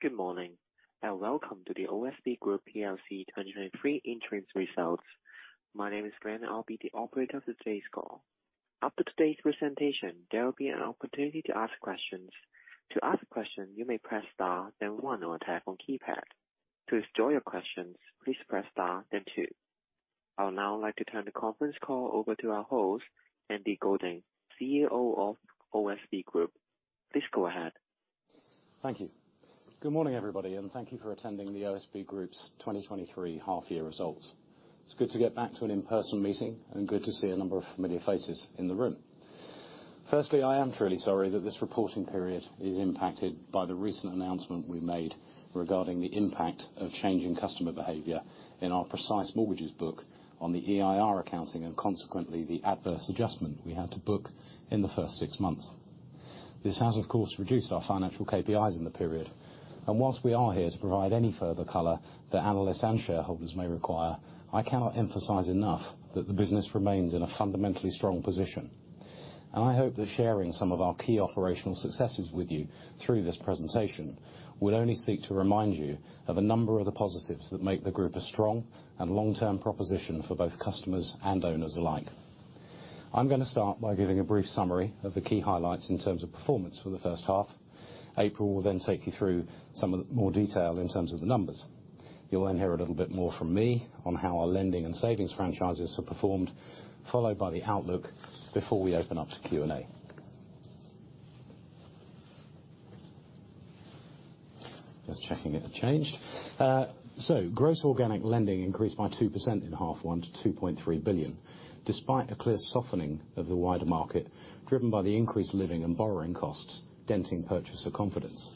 Good morning. Welcome to the OSB Group PLC 2023 interim results. My name is Glenn, I'll be the operator of today's call. After today's presentation, there will be an opportunity to ask questions. To ask a question, you may press star one on your telephone keypad. To withdraw your questions, please press star two. I would now like to turn the conference call over to our host, Andy Golding, CEO of OSB Group. Please go ahead. Thank you. Good morning, everybody. Thank you for attending the OSB Group's 2023 half year results. It's good to get back to an in-person meeting and good to see a number of familiar faces in the room. Firstly, I am truly sorry that this reporting period is impacted by the recent announcement we made regarding the impact of changing customer behavior in our Precise Mortgages book on the EIR accounting and consequently, the adverse adjustment we had to book in the first six months. This has, of course, reduced our financial KPIs in the period, and whilst we are here to provide any further color that analysts and shareholders may require, I cannot emphasize enough that the business remains in a fundamentally strong position. I hope that sharing some of our key operational successes with you through this presentation will only seek to remind you of a number of the positives that make the group a strong and long-term proposition for both customers and owners alike. I'm going to start by giving a brief summary of the key highlights in terms of performance for the first half. April will then take you through some of the more detail in terms of the numbers. You'll then hear a little bit more from me on how our lending and savings franchises have performed, followed by the outlook before we open up to Q&A. Just checking it changed. Gross organic lending increased by 2% in half one to 2.3 billion, despite a clear softening of the wider market, driven by the increased living and borrowing costs, denting purchaser confidence.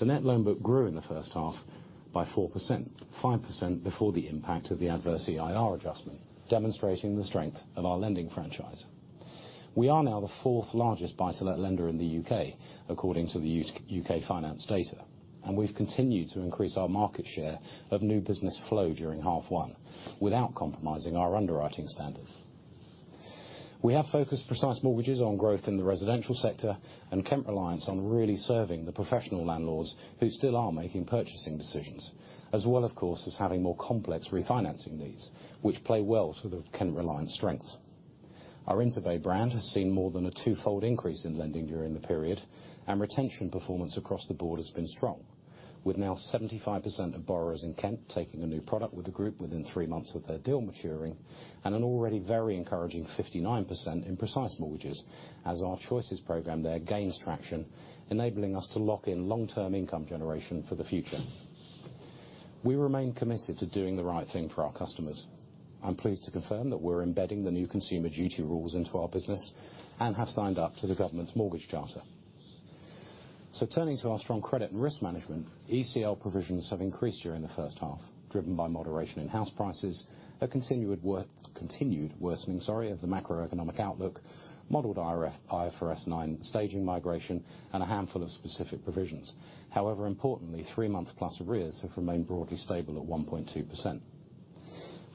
The net loan book grew in the first half by 4%, 5% before the impact of the adverse EIR adjustment, demonstrating the strength of our lending franchise. We are now the fourth largest buy-to-let lender in the U.K., according to the UK Finance data. We've continued to increase our market share of new business flow during half one, without compromising our underwriting standards. We have focused Precise Mortgages on growth in the residential sector and Kent Reliance on really serving the professional landlords who still are making purchasing decisions, as well, of course, as having more complex refinancing needs, which play well to the Kent Reliance strengths. Our InterBay brand has seen more than a twofold increase in lending during the period, and retention performance across the board has been strong, with now 75% of borrowers in Kent taking a new product with the group within three months of their deal maturing, and an already very encouraging 59% in Precise Mortgages as our choices program there gains traction, enabling us to lock in long-term income generation for the future. We remain committed to doing the right thing for our customers. I'm pleased to confirm that we're embedding the new Consumer Duty rules into our business and have signed up to the government's Mortgage Charter. Turning to our strong credit and risk management, ECL provisions have increased during the first half, driven by moderation in house prices, a continued worsening, sorry, of the macroeconomic outlook, modeled IFRS 9 staging migration, and a handful of specific provisions. However, importantly, three month plus arrears have remained broadly stable at 1.2%.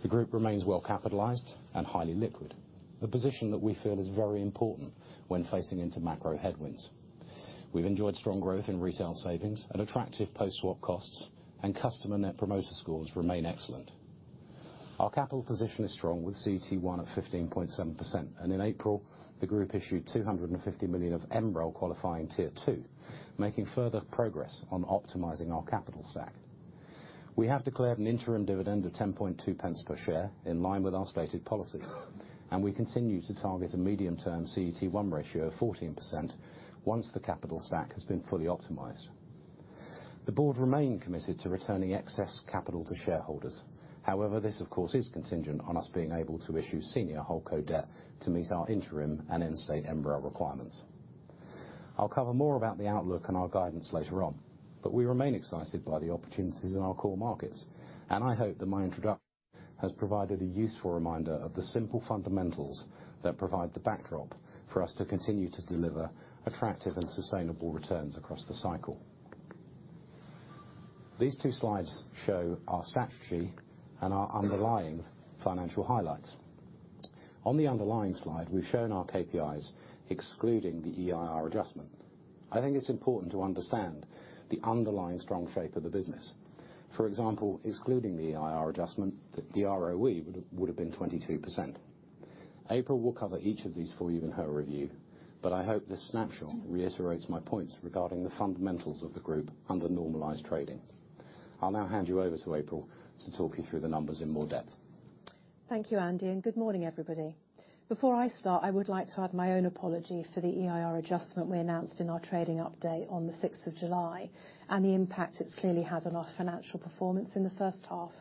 The group remains well capitalized and highly liquid, a position that we feel is very important when facing into macro headwinds. We've enjoyed strong growth in retail savings and attractive post-swap costs, and customer Net Promoter Scores remain excellent. Our capital position is strong, with CET1 at 15.7%, and in April, the group issued 250 million of MREL qualifying Tier 2, making further progress on optimizing our capital stack. We have declared an interim dividend of 10.2 pence per share in line with our stated policy. We continue to target a medium-term CET1 ratio of 14% once the capital stack has been fully optimized. The board remain committed to returning excess capital to shareholders. This, of course, is contingent on us being able to issue senior Holdco debt to meet our interim and end state MREL requirements. I'll cover more about the outlook and our guidance later on. We remain excited by the opportunities in our core markets. I hope that my introduction has provided a useful reminder of the simple fundamentals that provide the backdrop for us to continue to deliver attractive and sustainable returns across the cycle. These two slides show our strategy and our underlying financial highlights. On the underlying slide, we've shown our KPIs, excluding the EIR adjustment. I think it's important to understand the underlying strong shape of the business. For example, excluding the EIR adjustment, the ROE would have been 22%. April will cover each of these for you in her review, but I hope this snapshot reiterates my points regarding the fundamentals of the group under normalized trading. I'll now hand you over to April to talk you through the numbers in more depth. Thank you, Andy, and good morning, everybody. Before I start, I would like to add my own apology for the EIR adjustment we announced in our trading update on the 6th of July, and the impact it's clearly had on our financial performance in the first half.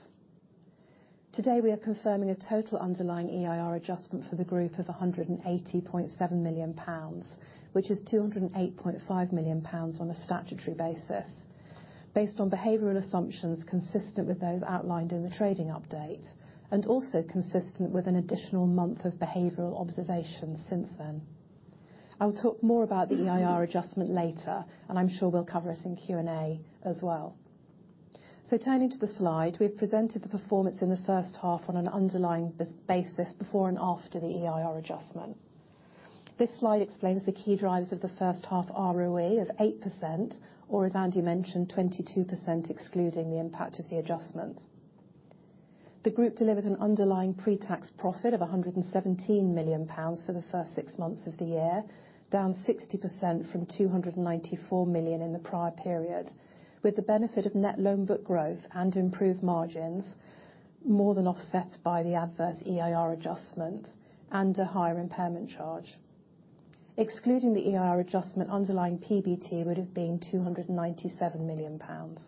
Today, we are confirming a total underlying EIR adjustment for the group of 180.7 million pounds, which is 208.5 million pounds on a statutory basis, based on behavioral assumptions consistent with those outlined in the trading update, and also consistent with an additional month of behavioral observations since then. I'll talk more about the EIR adjustment later, and I'm sure we'll cover it in Q&A as well. Turning to the slide, we've presented the performance in the first half on an underlying basis, before and after the EIR adjustment. This slide explains the key drivers of the first half ROE of 8%, or as Andy mentioned, 22%, excluding the impact of the adjustment. The group delivered an underlying pre-tax profit of 117 million pounds for the first six months of the year, down 60% from 294 million in the prior period, with the benefit of net loan book growth and improved margins, more than offset by the adverse EIR adjustment and a higher impairment charge. Excluding the EIR adjustment, underlying PBT would have been 297 million pounds.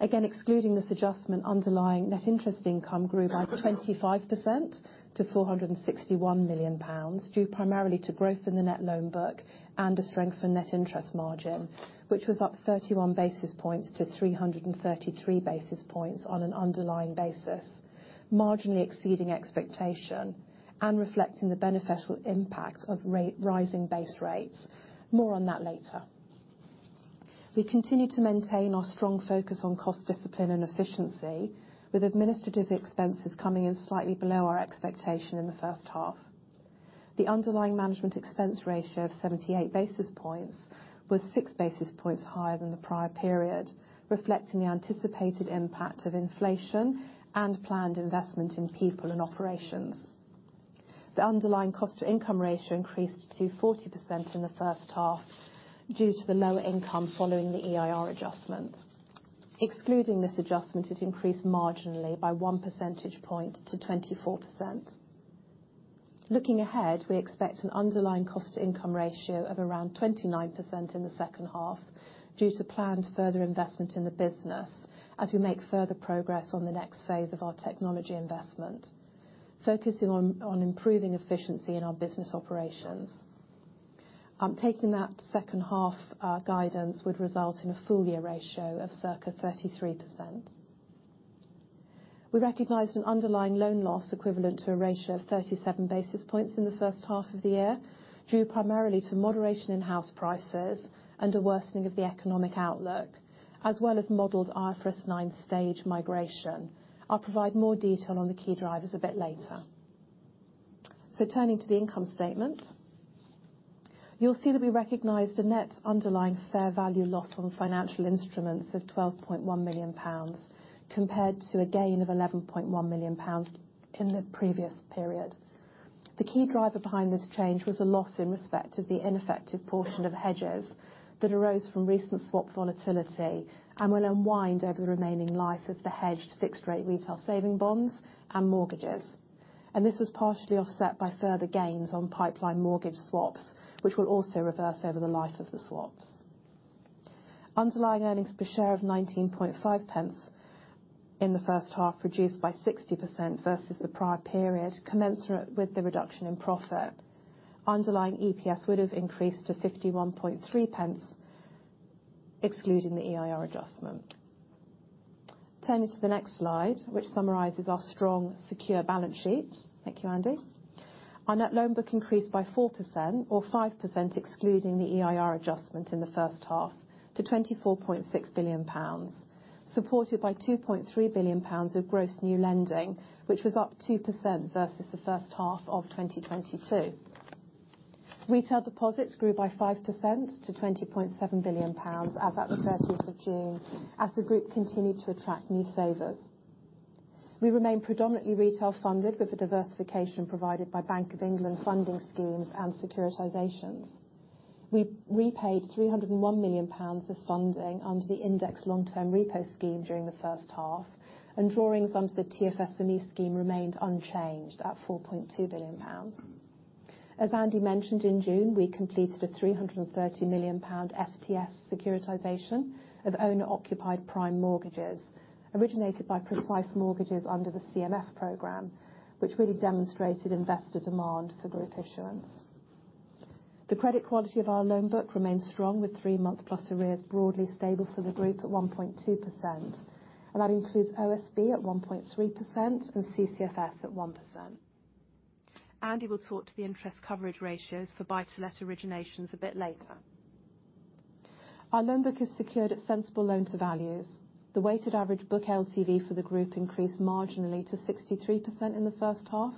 Again, excluding this adjustment, underlying net interest income grew by 25% to 461 million pounds, due primarily to growth in the net loan book and a strengthened net interest margin, which was up 31 basis points to 333 basis points on an underlying basis, marginally exceeding expectation and reflecting the beneficial impact of rate-rising base rates. More on that later. We continue to maintain our strong focus on cost discipline and efficiency, with administrative expenses coming in slightly below our expectation in the first half. The underlying management expense ratio of 78 basis points was 6 basis points higher than the prior period, reflecting the anticipated impact of inflation and planned investment in people and operations. The underlying cost to income ratio increased to 40% in the first half due to the lower income following the EIR adjustment. Excluding this adjustment, it increased marginally by 1 percentage point to 24%. Looking ahead, we expect an underlying cost to income ratio of around 29% in the second half due to planned further investment in the business, as we make further progress on the next phase of our technology investment, focusing on improving efficiency in our business operations. Taking that second half guidance would result in a full year ratio of circa 33%. We recognized an underlying loan loss equivalent to a ratio of 37 basis points in the first half of the year, due primarily to moderation in house prices and a worsening of the economic outlook, as well as modeled IFRS 9 stage migration. I'll provide more detail on the key drivers a bit later. Turning to the income statement, you'll see that we recognized a net underlying fair value loss on financial instruments of 12.1 million pounds, compared to a gain of 11.1 million pounds in the previous period. The key driver behind this change was a loss in respect of the ineffective portion of hedges that arose from recent swap volatility and will unwind over the remaining life of the hedged fixed rate retail savings bonds and mortgages. This was partially offset by further gains on pipeline mortgage swaps, which will also reverse over the life of the swaps. Underlying earnings per share of 0.195 in the first half, reduced by 60% versus the prior period, commensurate with the reduction in profit. Underlying EPS would have increased to 0.513, excluding the EIR adjustment. Turning to the next slide, which summarizes our strong, secure balance sheet. Thank you, Andy. Our net loan book increased by 4% or 5%, excluding the EIR adjustment in the first half, to 24.6 billion pounds, supported by 2.3 billion pounds of gross new lending, which was up 2% versus the first half of 2022. Retail deposits grew by 5% to 20.7 billion pounds as at the 13th of June, as the group continued to attract new savers. We remain predominantly retail funded, with the diversification provided by Bank of England funding schemes and securitizations. We repaid 301 million pounds of funding under the Indexed Long-Term Repo scheme during the first half, and drawings under the TFSME scheme remained unchanged at 4.2 billion pounds. As Andy mentioned in June, we completed a 330 million pound FTS securitization of owner-occupied prime mortgages, originated by Precise Mortgages under the CMF program, which really demonstrated investor demand for group issuance. The credit quality of our loan book remains strong, with three-month plus arrears broadly stable for the group at 1.2%, and that includes OSB at 1.3% and CCFS at 1%. Andy will talk to the interest coverage ratios for buy-to-let originations a bit later. Our loan book is secured at sensible loan to values. The weighted average book LTV for the group increased marginally to 63% in the first half,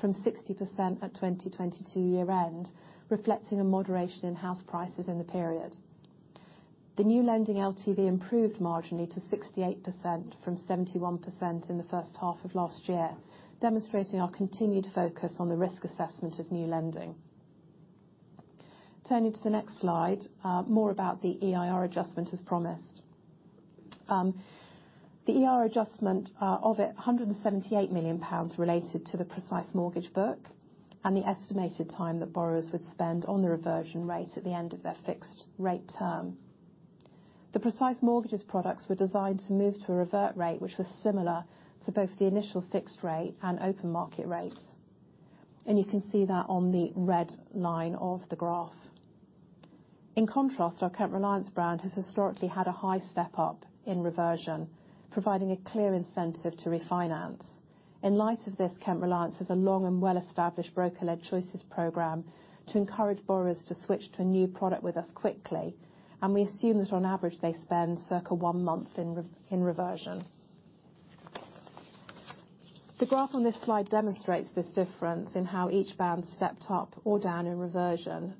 from 60% at 2022 year end, reflecting a moderation in house prices in the period. The new lending LTV improved marginally to 68% from 71% in the first half of last year, demonstrating our continued focus on the risk assessment of new lending. Turning to the next slide, more about the EIR adjustment, as promised. The EIR adjustment of 178 million pounds related to the Precise Mortgages book and the estimated time that borrowers would spend on the reversion rate at the end of their fixed rate term. The Precise Mortgages products were designed to move to a revert rate, which was similar to both the initial fixed rate and open market rates, and you can see that on the red line of the graph. In contrast, our Kent Reliance brand has historically had a high step up in reversion, providing a clear incentive to refinance. In light of this, Kent Reliance has a long and well-established broker-led choices program to encourage borrowers to switch to a new product with us quickly, and we assume that on average, they spend circa one month in reversion. The graph on this slide demonstrates this difference in how each band stepped up or down in reversion,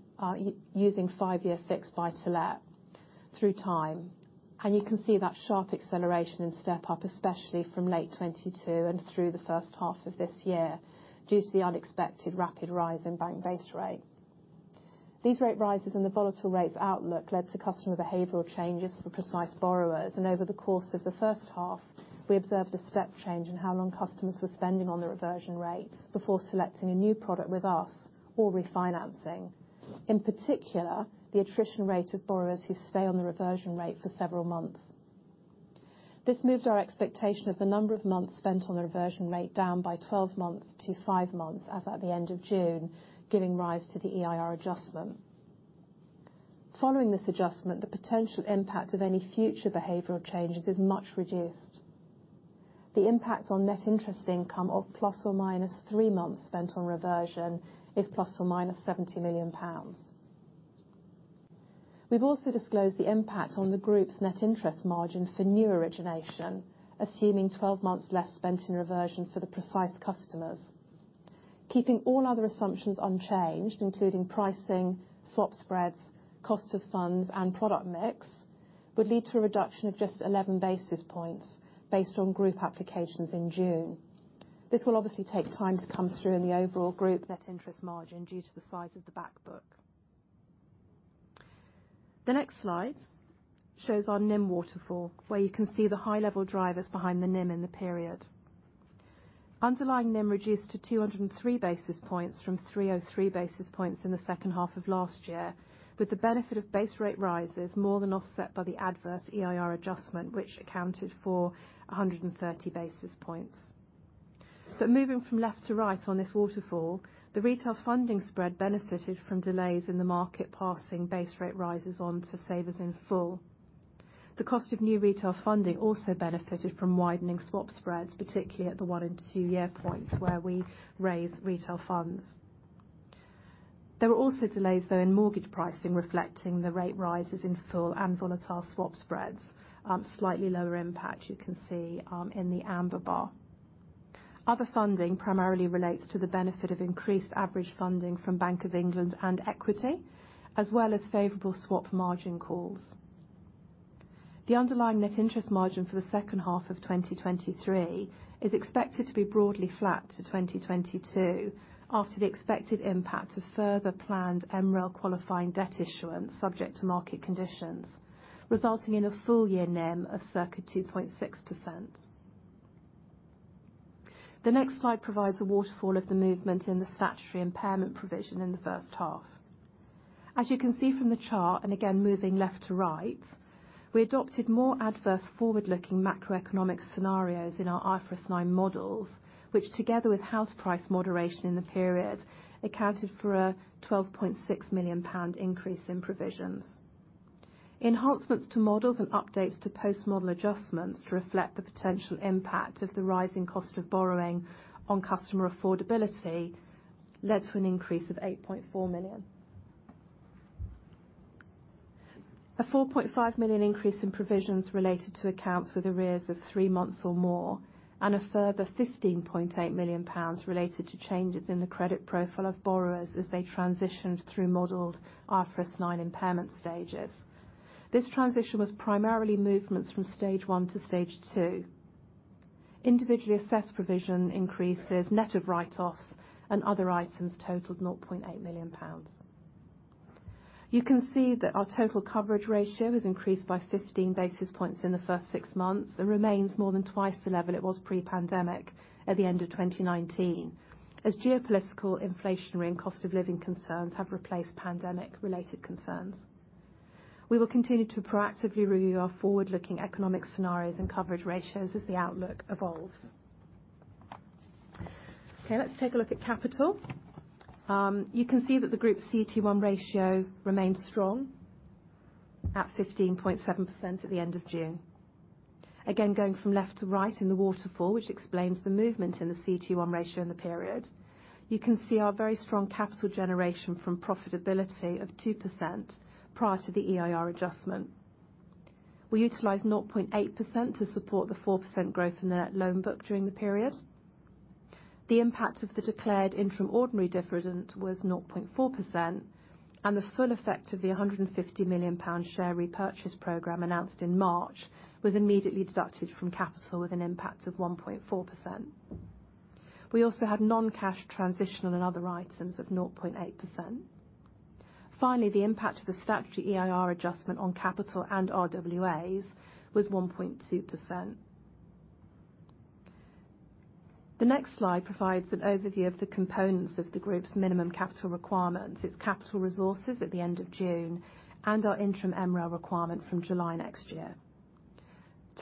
using five-year fixed buy-to-let through time. You can see that sharp acceleration and step up, especially from late 2022 and through the first half of this year, due to the unexpected rapid rise in base rate. These rate rises and the volatile rates outlook led to customer behavioral changes for Precise borrowers, and over the course of the first half, we observed a step change in how long customers were spending on the reversion rate before selecting a new product with us or refinancing. In particular, the attrition rate of borrowers who stay on the reversion rate for several months. This moved our expectation of the number of months spent on the reversion rate down by 12 months to five months, as at the end of June, giving rise to the EIR adjustment. Following this adjustment, the potential impact of any future behavioral changes is much reduced. The impact on net interest income of ±3 months spent on reversion is 70 million pounds. We've also disclosed the impact on the group's net interest margin for new origination, assuming 12 months less spent in reversion for the Precise customers. Keeping all other assumptions unchanged, including pricing, swap spreads, cost of funds, and product mix, would lead to a reduction of just 11 basis points based on group applications in June. This will obviously take time to come through in the overall group net interest margin due to the size of the back book. The next slide shows our NIM waterfall, where you can see the high-level drivers behind the NIM in the period. Underlying NIM reduced to 203 basis points from 303 basis points in the second half of last year, with the benefit of base rate rises more than offset by the adverse EIR adjustment, which accounted for 130 basis points. Moving from left to right on this waterfall, the retail funding spread benefited from delays in the market, passing base rate rises on to savers in full. The cost of new retail funding also benefited from widening swap spreads, particularly at the one and two-year points where we raise retail funds. There were also delays, though, in mortgage pricing, reflecting the rate rises in full and volatile swap spreads. Slightly lower impact you can see in the amber bar. Other funding primarily relates to the benefit of increased average funding from Bank of England and equity, as well as favorable swap margin calls. The underlying net interest margin for the second half of 2023 is expected to be broadly flat to 2022 after the expected impact of further planned MREL qualifying debt issuance, subject to market conditions, resulting in a full year NIM of circa 2.6%. The next slide provides a waterfall of the movement in the statutory impairment provision in the first half. As you can see from the chart, and again, moving left to right, we adopted more adverse forward-looking macroeconomic scenarios in our IFRS 9 models, which, together with house price moderation in the period, accounted for a 12.6 million pound increase in provisions. Enhancements to models and updates to post-model adjustments to reflect the potential impact of the rising cost of borrowing on customer affordability led to an increase of 8.4 million. A 4.5 million increase in provisions related to accounts with arrears of three months or more, and a further 15.8 million pounds related to changes in the credit profile of borrowers as they transitioned through modeled IFRS 9 impairment stages. This transition was primarily movements from Stage 1 to Stage 2. Individually assessed provision increases, net of write-offs and other items, totaled 0.8 million pounds. You can see that our total coverage ratio has increased by 15 basis points in the first six months and remains more than twice the level it was pre-pandemic at the end of 2019, as geopolitical, inflationary, and cost of living concerns have replaced pandemic-related concerns. We will continue to proactively review our forward-looking economic scenarios and coverage ratios as the outlook evolves. Okay, let's take a look at capital. You can see that the group's CET1 ratio remains strong at 15.7% at the end of June. Again, going from left to right in the waterfall, which explains the movement in the CET1 ratio in the period, you can see our very strong capital generation from profitability of 2% prior to the EIR adjustment. We utilized 0.8% to support the 4% growth in the loan book during the period. The impact of the declared interim ordinary dividend was 0.4%, and the full effect of the 150 million pound share repurchase program announced in March was immediately deducted from capital with an impact of 1.4%. We also had non-cash transitional and other items of 0.8%. Finally, the impact of the statutory EIR adjustment on capital and RWAs was 1.2%. The next slide provides an overview of the components of the group's minimum capital requirements, its capital resources at the end of June, and our interim MREL requirement from July next year.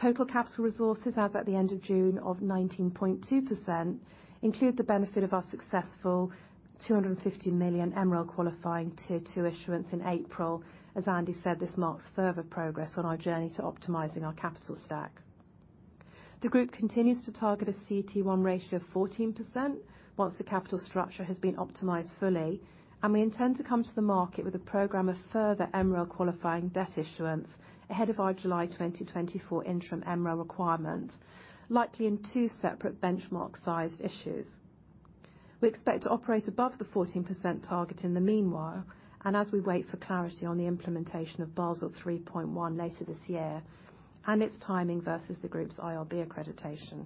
Total capital resources as at the end of June of 19.2% include the benefit of our successful 250 million MREL qualifying Tier 2 issuance in April. As Andy said, this marks further progress on our journey to optimizing our capital stack. The group continues to target a CET1 ratio of 14% once the capital structure has been optimized fully. We intend to come to the market with a program of further MREL qualifying debt issuance ahead of our July 2024 interim MREL requirements, likely in two separate benchmark sized issues. We expect to operate above the 14% target in the meanwhile. As we wait for clarity on the implementation of Basel 3.1 later this year and its timing versus the group's IRB accreditation,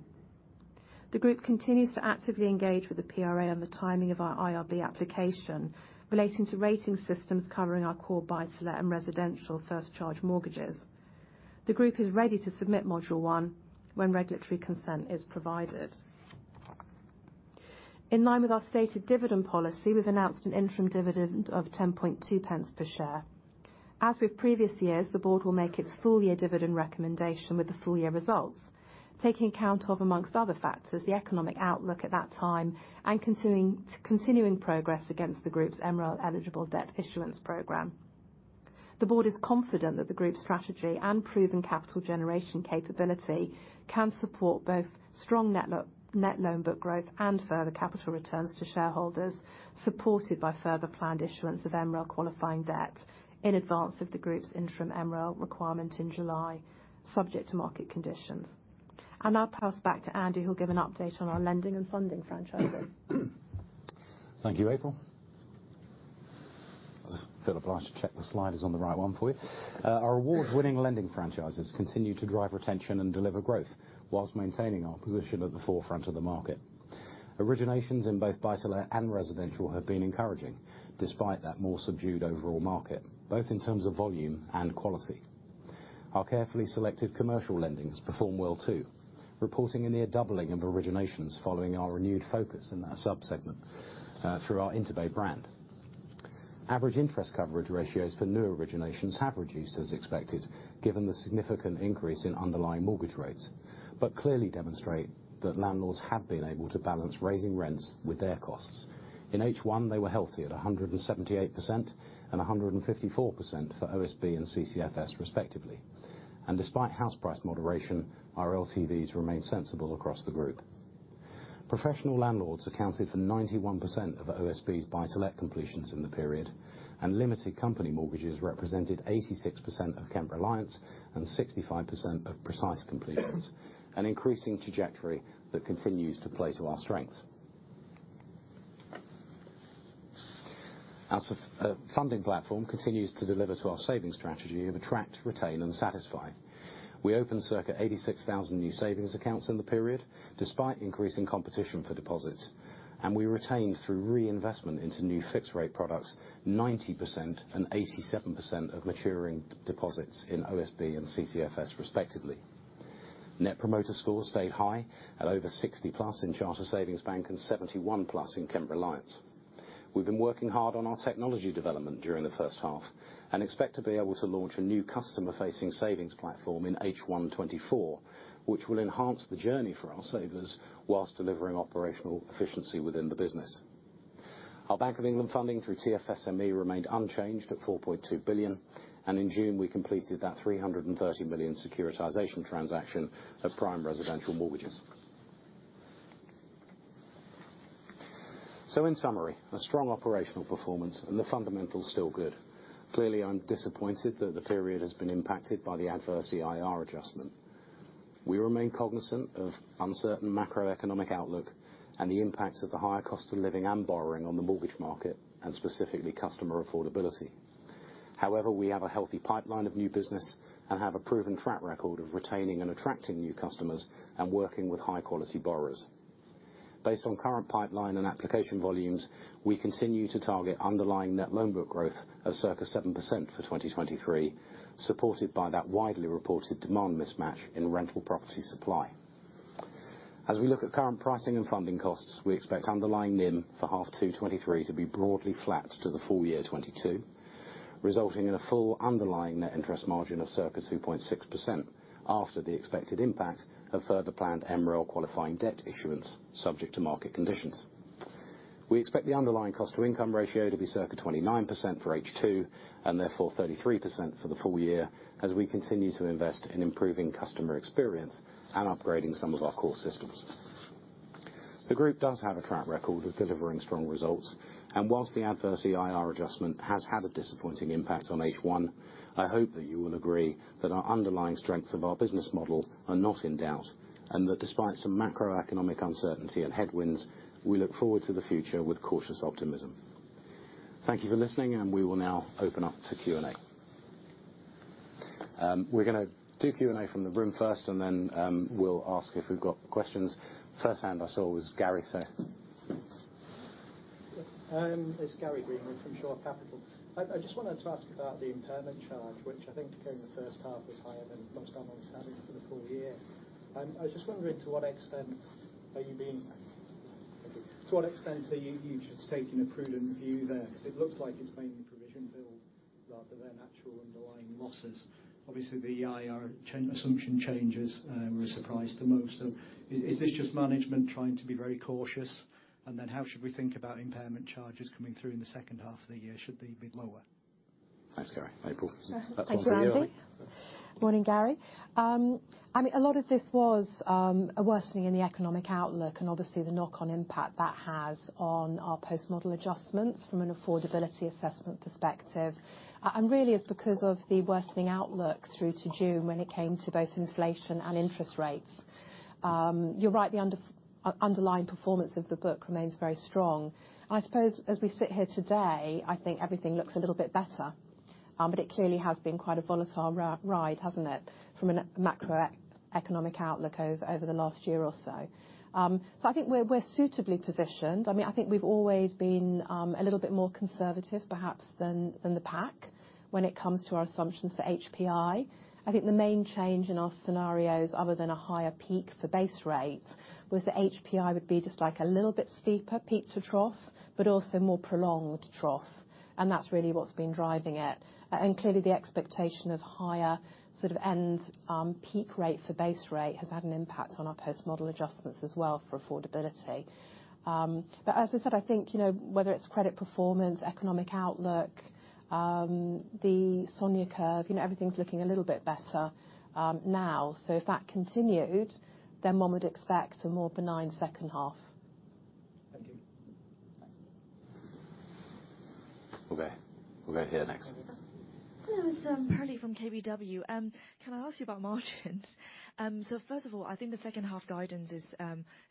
the group continues to actively engage with the PRA on the timing of our IRB application relating to rating systems covering our core buy-to-let and residential first charge mortgages. The group is ready to submit module 1 when regulatory consent is provided. In line with our stated dividend policy, we've announced an interim dividend of 0.102 per share. As with previous years, the board will make its full year dividend recommendation with the full year results, taking account of, amongst other factors, the economic outlook at that time and continuing, continuing progress against the group's MREL eligible debt issuance program. The board is confident that the group's strategy and proven capital generation capability can support both strong net loan book growth and further capital returns to shareholders, supported by further planned issuance of MREL qualifying debt in advance of the group's interim MREL requirement in July, subject to market conditions. I'll now pass back to Andy, who'll give an update on our lending and funding franchises. Thank you, April. Philip, I'll have to check the slide is on the right one for you. Our award-winning lending franchises continue to drive retention and deliver growth while maintaining our position at the forefront of the market. Originations in both buy-to-let and residential have been encouraging, despite that more subdued overall market, both in terms of volume and quality. Our carefully selected commercial lendings perform well, too, reporting a near doubling of originations following our renewed focus in that subsegment, through our InterBay brand. Average interest coverage ratios for new originations have reduced, as expected, given the significant increase in underlying mortgage rates, but clearly demonstrate that landlords have been able to balance raising rents with their costs. In H1, they were healthy at 178% and 154% for OSB and CCFS, respectively. Despite house price moderation, our LTVs remain sensible across the group. Professional landlords accounted for 91% of OSB's buy-to-let completions in the period, and limited company mortgages represented 86% of Kent Reliance and 65% of Precise completions, an increasing trajectory that continues to play to our strengths. Our funding platform continues to deliver to our savings strategy of attract, retain, and satisfy. We opened circa 86,000 new savings accounts in the period, despite increasing competition for deposits, and we retained, through reinvestment into new fixed rate products, 90% and 87% of maturing deposits in OSB and CCFS, respectively. Net promoter scores stayed high at over 60+ in Charter Savings Bank and 71+ in Kent Reliance. We've been working hard on our technology development during the first half and expect to be able to launch a new customer-facing savings platform in H1 2024, which will enhance the journey for our savers while delivering operational efficiency within the business. Our Bank of England funding through TFSME remained unchanged at 4.2 billion. In June, we completed that 330 million securitization transaction of prime residential mortgages. In summary, a strong operational performance and the fundamentals still good. Clearly, I'm disappointed that the period has been impacted by the adverse EIR adjustment. We remain cognizant of uncertain macroeconomic outlook and the impacts of the higher cost of living and borrowing on the mortgage market and specifically customer affordability. However, we have a healthy pipeline of new business and have a proven track record of retaining and attracting new customers and working with high-quality borrowers. Based on current pipeline and application volumes, we continue to target underlying net loan book growth of circa 7% for 2023, supported by that widely reported demand mismatch in rental property supply. As we look at current pricing and funding costs, we expect underlying NIM for half two 2023 to be broadly flat to the full year 2022, resulting in a full underlying net interest margin of circa 2.6% after the expected impact of further planned MREL qualifying debt issuance, subject to market conditions. We expect the underlying cost to income ratio to be circa 29% for H2, therefore 33% for the full year as we continue to invest in improving customer experience and upgrading some of our core systems. The group does have a track record of delivering strong results, whilst the adverse EIR adjustment has had a disappointing impact on H1, I hope that you will agree that our underlying strengths of our business model are not in doubt, that despite some macroeconomic uncertainty and headwinds, we look forward to the future with cautious optimism. Thank you for listening, we will now open up to Q&A. We're going to do Q&A from the room first, then we'll ask if we've got questions. First hand I saw was Gary, so... It's Gary Greenwood from Shore Capital. I, I just wanted to ask about the impairment charge, which I think during the first half was higher than what I've done on standard for the full year. I was just wondering, to what extent are you, you just taking a prudent view there? Because it looks like it's mainly provisions that will...... rather than actual underlying losses. Obviously, the EIR change, assumption changes, were a surprise to most. Is this just management trying to be very cautious? Then how should we think about impairment charges coming through in the second half of the year? Should they be lower? Thanks, Gary. April. Thanks, Andy. Morning, Gary. I mean, a lot of this was a worsening in the economic outlook, and obviously the knock-on impact that has on our post-model adjustments from an affordability assessment perspective. Really, it's because of the worsening outlook through to June when it came to both inflation and interest rates. You're right, the underlying performance of the book remains very strong. I suppose, as we sit here today, I think everything looks a little bit better, but it clearly has been quite a volatile ride, hasn't it, from a macroeconomic outlook over the last year or so. I think we're, we're suitably positioned. I mean, I think we've always been a little bit more conservative, perhaps, than the pack when it comes to our assumptions for HPI. I think the main change in our scenarios, other than a higher peak for base rates, was the HPI would be just like a little bit steeper peak to trough, but also a more prolonged trough, and that's really what's been driving it. Clearly, the expectation of higher sort of end peak rate for base rate has had an impact on our post-model adjustments as well for affordability. As I said, I think, you know, whether it's credit performance, economic outlook, the SONIA curve, you know, everything's looking a little bit better now. If that continued, then one would expect a more benign second half. Thank you. Okay. We'll go here next. Hello, it's Perlie from KBW. Can I ask you about margins? First of all, I think the second half guidance is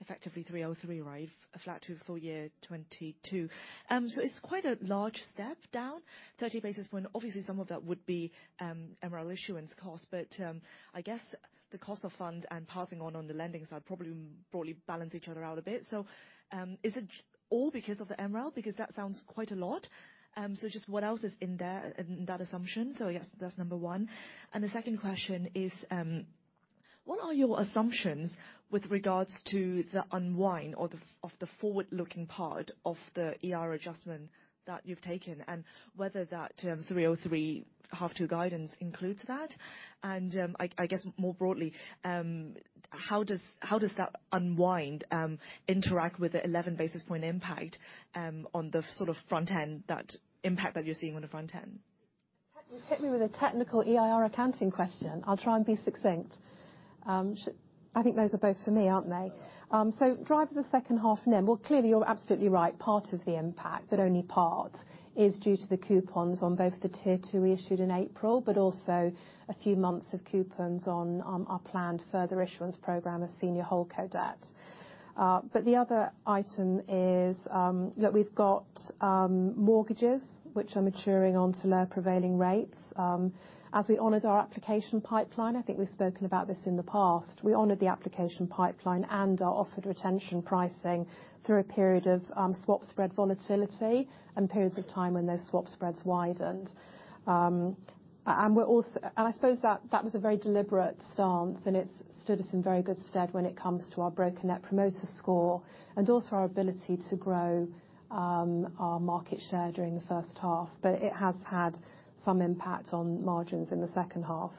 effectively 303 basis points, right? A flat to full year 2022. It's quite a large step down, 30 basis points, when obviously some of that would be MREL issuance cost. I guess the cost of fund and passing on, on the lending side probably broadly balance each other out a bit. Is it all because of the MREL? Because that sounds quite a lot. Just what else is in there, in that assumption? Yes, that's number one. The second question is: What are your assumptions with regards to the unwind or of the forward-looking part of the EIR adjustment that you've taken, and whether that 303 half two guidance includes that? I guess, more broadly, how does that unwind interact with the 11 basis point impact on the sort of front end, that impact that you're seeing on the front end? You've hit me with a technical EIR accounting question. I'll try and be succinct. I think those are both for me, aren't they? Drive to the second half NIM. Well, clearly, you're absolutely right. Part of the impact, but only part, is due to the coupons on both the Tier 2 issued in April, but also a few months of coupons on our planned further issuance program of senior Holdwhole loan debt. The other item is that we've got mortgages which are maturing onto lower prevailing rates. As we honored our application pipeline, I think we've spoken about this in the past, we honored the application pipeline and our offered retention pricing through a period of swap spread volatility and periods of time when those swap spreads widened. I suppose that, that was a very deliberate stance, and it's stood us in very good stead when it comes to our broken Net Promoter Score, and also our ability to grow, our market share during the first half. It has had some impact on margins in the second half.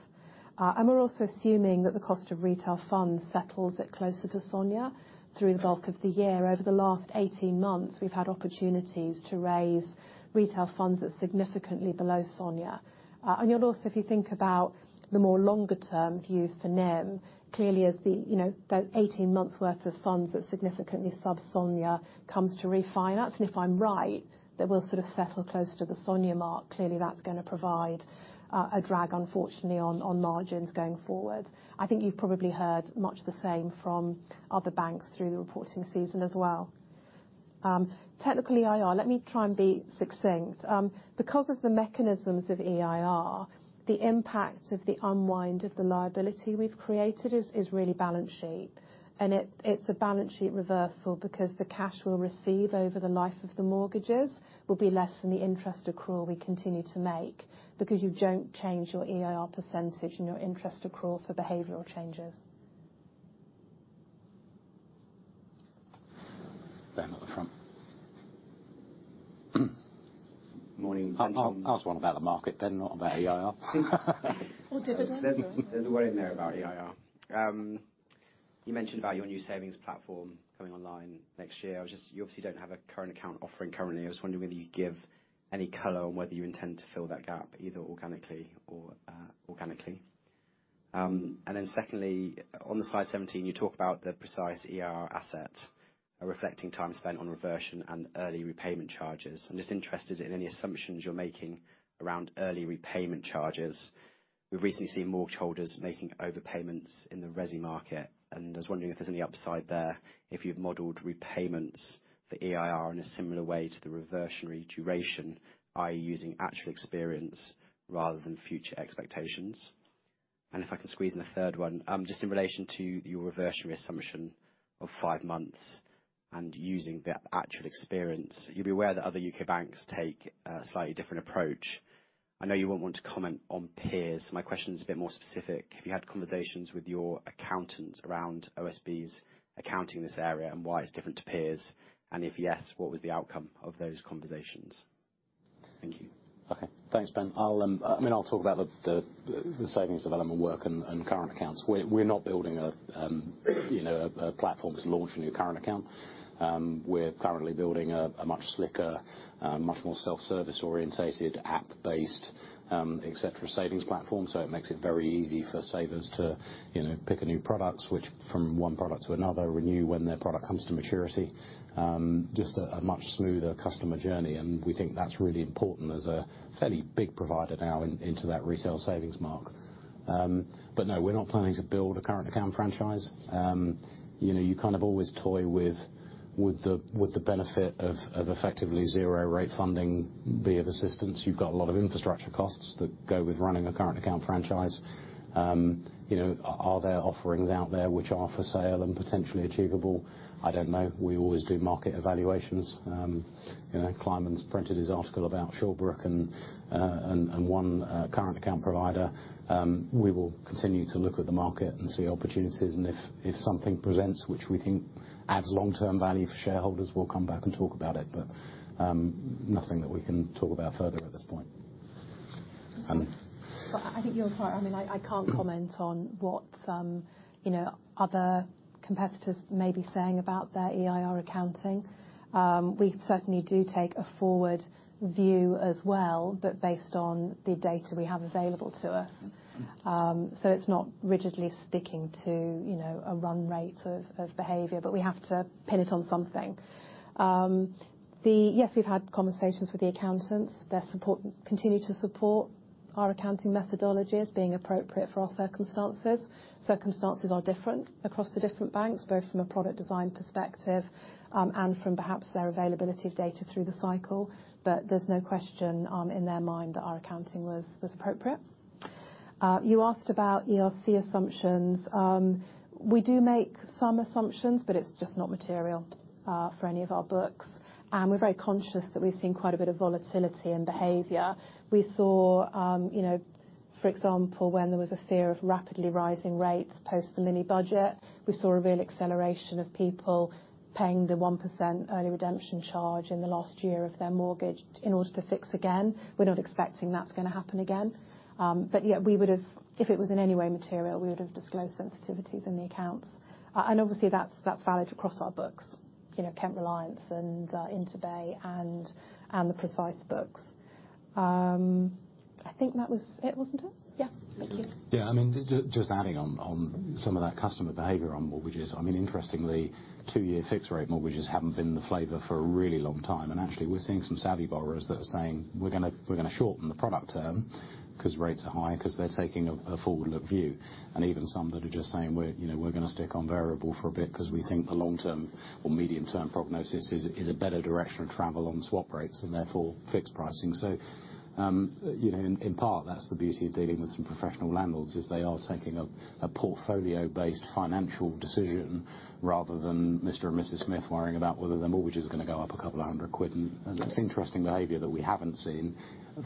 We're also assuming that the cost of retail funds settles at closer to SONIA through the bulk of the year. Over the last 18 months, we've had opportunities to raise retail funds that's significantly below SONIA. You'll also, if you think about the more longer term view for NIM, clearly as the, you know, that 18 months worth of funds that significantly sub-SONIA comes to refinance, and if I'm right, that will sort of settle closer to the SONIA mark. Clearly, that's going to provide a drag, unfortunately, on, on margins going forward. I think you've probably heard much the same from other banks through the reporting season as well. Technical EIR, let me try and be succinct. Because of the mechanisms of EIR, the impact of the unwind of the liability we've created is, is really balance sheet. It, it's a balance sheet reversal because the cash we'll receive over the life of the mortgages will be less than the interest accrual we continue to make, because you don't change your EIR % and your interest accrual for behavioral changes. Ben, at the front. Morning, gentlemen. I'll ask one about the market then, not about EIR. Dividends. There's a way in there about EIR. You mentioned about your new savings platform coming online next year. You obviously don't have a current account offering currently. I was wondering whether you'd give any color on whether you intend to fill that gap, either organically or organically. Secondly, on slide 17, you talk about the Precise EIR assets, reflecting time spent on reversion and early repayment charges. I'm just interested in any assumptions you're making around early repayment charges. We've recently seen mortgage holders making overpayments in the resi market, and I was wondering if there's any upside there, if you've modeled repayments for EIR in a similar way to the reversionary duration, i.e., using actual experience rather than future expectations. If I can squeeze in a third one, just in relation to your reversionary assumption of five months and using the actual experience, you'll be aware that other U.K. banks take a slightly different approach. I know you won't want to comment on peers, so my question is a bit more specific. Have you had conversations with your accountants around OSB's accounting in this area and why it's different to peers? If yes, what was the outcome of those conversations? Thank you. Okay, thanks, Ben. I'll, I mean, I'll talk about the, the, the savings development work and, and current accounts. We're, we're not building a, you know, a, a platform to launch a new current account. We're currently building a, a much slicker, much more self-service oriented, app-based, et cetera, savings platform. It makes it very easy for savers to, you know, pick a new products, switch from one product to another, renew when their product comes to maturity. Just a, a much smoother customer journey, and we think that's really important as a fairly big provider now into that retail savings mark. No, we're not planning to build a current account franchise. You know, you kind of always toy with, with the, with the benefit of, of effectively zero rate funding, be of assistance. You've got a lot of infrastructure costs that go with running a current account franchise. You know, are, are there offerings out there which are for sale and potentially achievable? I don't know. We always do market evaluations. You know, Kleinman's printed his article about Shawbrook and, and, and one current account provider. We will continue to look at the market and see opportunities, and if, if something presents, which we think adds long-term value for shareholders, we'll come back and talk about it. But, nothing that we can talk about further at this point. Well, I think you're right. I mean, I, I can't comment on what some, you know, other competitors may be saying about their EIR accounting. We certainly do take a forward view as well, based on the data we have available to us. It's not rigidly sticking to, you know, a run rate of, of behavior, we have to pin it on something. Yes, we've had conversations with the accountants. Their support continue to support our accounting methodologies being appropriate for our circumstances. Circumstances are different across the different banks, both from a product design perspective, and from perhaps their availability of data through the cycle. There's no question in their mind that our accounting was, was appropriate. You asked about ECL assumptions. We do make some assumptions, but it's just not material for any of our books. We're very conscious that we've seen quite a bit of volatility and behavior. We saw, you know, for example, when there was a fear of rapidly rising rates post the mini-budget, we saw a real acceleration of people paying the 1% early redemption charge in the last year of their mortgage in order to fix again. We're not expecting that's going to happen again. Yeah, if it was in any way material, we would have disclosed sensitivities in the accounts. Obviously, that's, that's valid across our books, you know, Kent Reliance and InterBay and the Precise books. I think that was it, wasn't it? Yeah. Thank you. Yeah, I mean, just adding on, on some of that customer behavior on mortgages. I mean, interestingly, two-year fixed rate mortgages haven't been the flavor for a really long time, actually, we're seeing some savvy borrowers that are saying: We're gonna, we're gonna shorten the product term because rates are high, because they're taking a, a forward-look view. Even some that are just saying, we're, you know, we're going to stick on variable for a bit because we think the long-term or medium-term prognosis is, is a better direction of travel on swap rates, and therefore, fixed pricing. You know, in, in part, that's the beauty of dealing with some professional landlords, is they are taking a, a portfolio-based financial decision rather than Mr. and Mrs. Smith worrying about whether their mortgage is going to go up a couple of 100 quid. That's interesting behavior that we haven't seen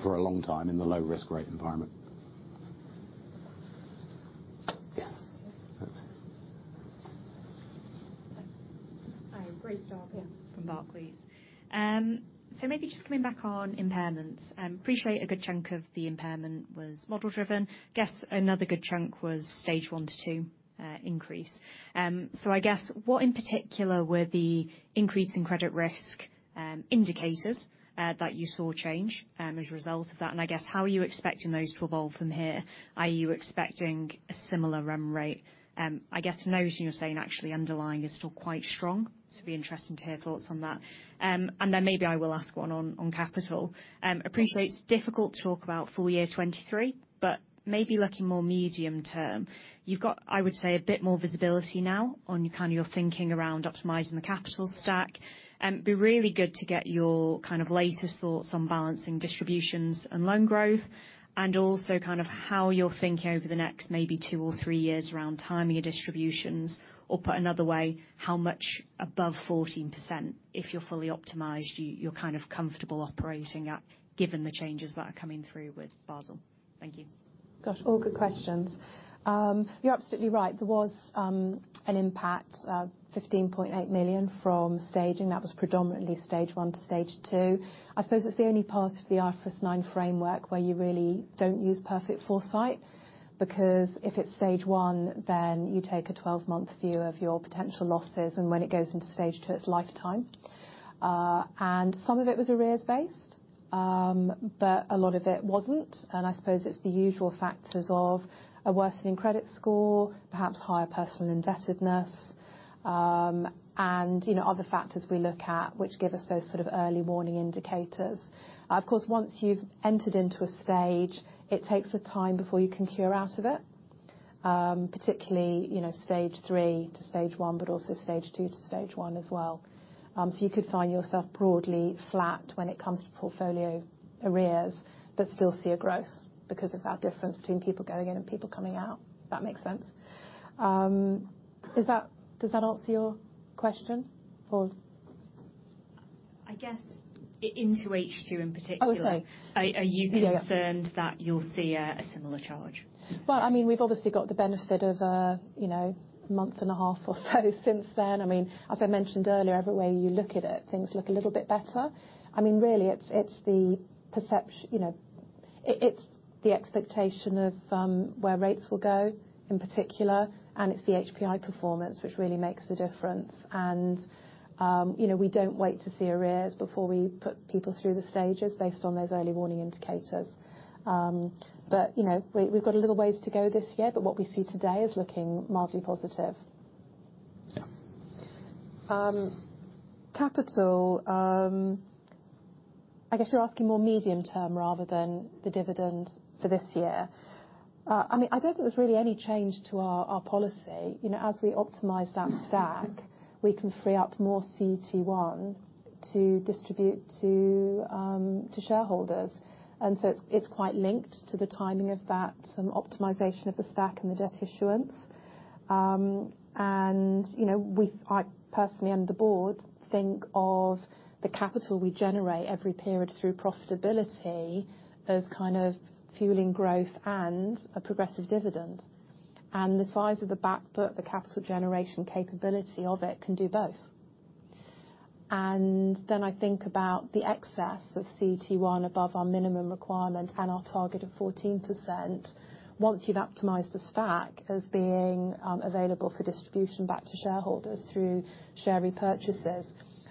for a long time in the low risk rate environment. Yes, that's it. Hi, Grace Dargan from Barclays. Maybe just coming back on impairments. Appreciate a good chunk of the impairment was model driven. Guess another good chunk was Stage 1 to Stage 2 increase. I guess, what in particular were the increase in credit risk indicators that you saw change as a result of that? I guess, how are you expecting those to evolve from here? Are you expecting a similar run rate? I guess noting you're saying actually underlying is still quite strong, so it'll be interesting to hear thoughts on that. Maybe I will ask one on, on capital. Appreciate it's difficult to talk about full year 2023, but maybe looking more medium term. You've got, I would say, a bit more visibility now on kind of your thinking around optimizing the capital stack. It'd be really good to get your kind of latest thoughts on balancing distributions and loan growth, and also kind of how you're thinking over the next maybe two or three years around timing your distributions. Put another way, how much above 14%, if you're fully optimized, you're kind of comfortable operating at, given the changes that are coming through with Basel. Thank you. Gosh, all good questions. You're absolutely right. There was an impact, 15.8 million from staging. That was predominantly Stage 1 to Stage 2. I suppose it's the only part of the IFRS 9 framework where you really don't use perfect foresight, because if it's Stage 1, then you take a 12-month view of your potential losses, and when it goes into Stage 2, it's lifetime. Some of it was arrears-based, but a lot of it wasn't, and I suppose it's the usual factors of a worsening credit score, perhaps higher personal indebtedness, and, you know, other factors we look at, which give us those sort of early warning indicators. Of course, once you've entered into a stage, it takes a time before you can cure out of it, particularly, you know, Stage 3 to Stage 1, but also Stage 2 to Stage 1 as well. You could find yourself broadly flat when it comes to portfolio arrears, but still see a growth because of that difference between people going in and people coming out. If that makes sense. Does that answer your question for- I guess into H2 in particular. Oh, sorry. Are you concerned- Yeah, yeah. That you'll see a, a similar charge? Well, I mean, we've obviously got the benefit of a, you know, a month and a half or so since then. I mean, as I mentioned earlier, every way you look at it, things look a little bit better. I mean, really, it's, it's the, you know, it's the expectation of where rates will go, in particular, and it's the HPI performance which really makes a difference. You know, we don't wait to see arrears before we put people through the stages based on those early warning indicators. You know, we, we've got a little ways to go this year, but what we see today is looking mildly positive. Yeah. Capital, I guess you're asking more medium term rather than the dividend for this year. I mean, I don't think there's really any change to our policy. You know, as we optimize that stack, we can free up more CET1 to distribute to shareholders. So it's quite linked to the timing of that, some optimization of the stack and the debt issuance. You know, I personally, and the board, think of the capital we generate every period through profitability as kind of fueling growth and a progressive dividend. The size of the back book, the capital generation capability of it, can do both. I think about the excess of CET1 above our minimum requirement and our target of 14%, once you've optimized the stack, as being available for distribution back to shareholders through share repurchases.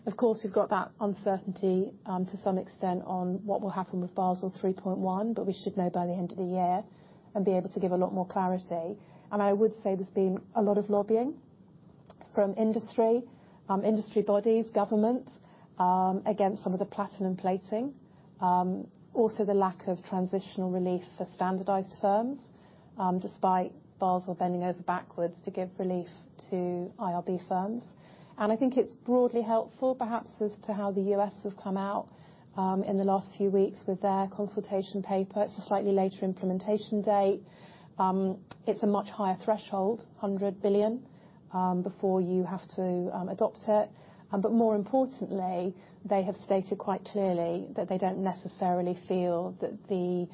Of course, we've got that uncertainty to some extent on what will happen with Basel 3.1, we should know by the end of the year and be able to give a lot more clarity. I would say there's been a lot of lobbying from industry, industry bodies, governments, against some of the platinum plating. Also the lack of transitional relief for standardized firms, despite Basel bending over backwards to give relief to IRB firms. I think it's broadly helpful, perhaps, as to how the US has come out in the last few weeks with their consultation paper. It's a slightly later implementation date. It's a much higher threshold, 100 billion, before you have to adopt it. More importantly, they have stated quite clearly that they don't necessarily feel that the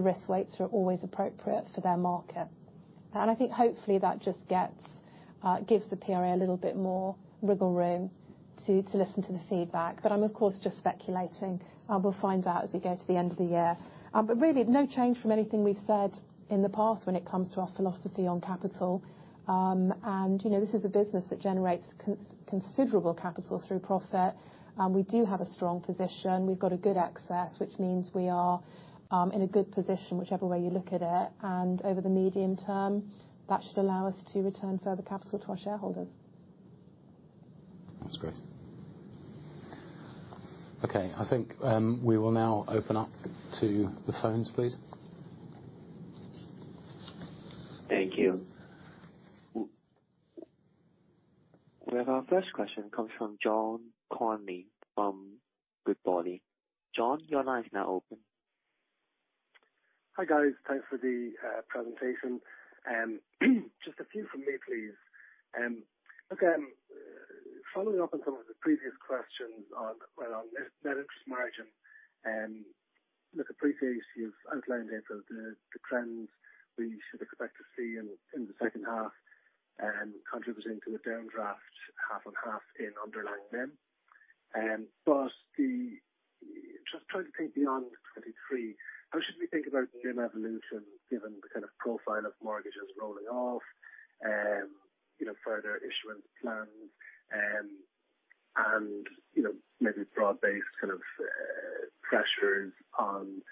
risk weights are always appropriate for their market. I think hopefully that just gives the PRA a little bit more wiggle room to listen to the feedback. I'm, of course, just speculating, and we'll find out as we go to the end of the year. Really, no change from anything we've said in the past when it comes to our philosophy on capital. You know, this is a business that generates considerable capital through profit. We do have a strong position. We've got a good access, which means we are in a good position, whichever way you look at it. Over the medium term, that should allow us to return further capital to our shareholders. That's great. Okay, I think we will now open up to the phones, please. Thank you. We have our first question comes from John Cronin from Goodbody. John, your line is now open. Hi, guys. Thanks for the presentation. Just a few from me, please. Okay, following up on some of the previous questions on net interest margin, look, I appreciate you've outlined it, the trends we should expect to see in the second half, contributing to a downdraft, half on half in underlying NIM. Just trying to think beyond 2023, how should we think about NIM evolution, given the kind of profile of mortgages rolling off, you know, further issuance plans, and, you know, maybe broad-based kind of pressures on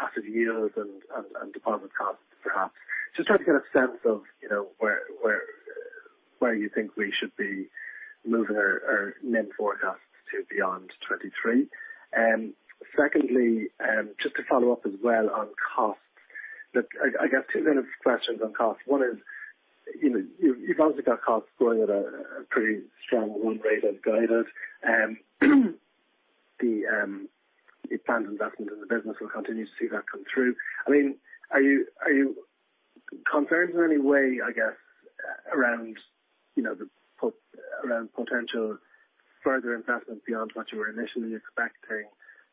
asset yields and deposit costs, perhaps? Just trying to get a sense of, you know, where, where, where you think we should be moving our NIM forecasts to beyond 2023. Secondly, just to follow up as well on costs. Look, I guess two kind of questions on costs. One is, you know, you've, you've obviously got costs growing at a pretty strong one rate as guided. The planned investment in the business, we'll continue to see that come through. I mean, are you concerned in any way, I guess, around, you know, around potential further investment beyond what you were initially expecting,